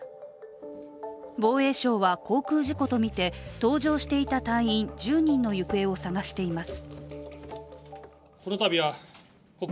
防衛省は航空事故とみて搭乗していた隊員１０人の行方を捜しています。